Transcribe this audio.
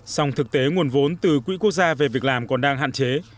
song thực tế nguồn vốn từ quỹ quốc gia về việc làm còn đang hạn chế